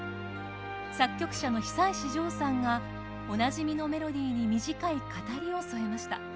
作曲者の久石譲さんがおなじみのメロディーに短い語りを添えました。